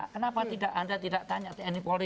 kenapa anda tidak tanya tni polri